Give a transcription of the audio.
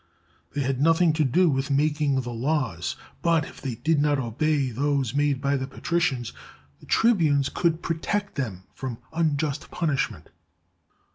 They had nothing to do with making the laws; but if they did not obey those made by the patricians, the trib unes could protect them from unjust punishment.